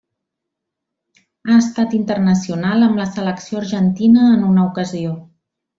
Ha estat internacional amb la selecció argentina en una ocasió.